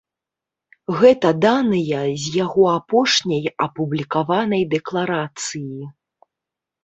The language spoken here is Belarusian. Гэта даныя з яго апошняй апублікаванай дэкларацыі.